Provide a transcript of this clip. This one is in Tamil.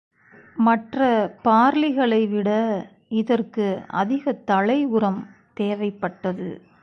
மற்ற பார்லிகளைவிட இதற்கு அதிகத் தழை உரம் தேவைப்பட்டது.